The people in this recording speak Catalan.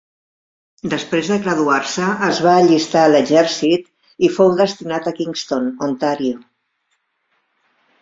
Després de graduar-se, es va allistar a l'exèrcit i fou destinat a Kingston, Ontàrio.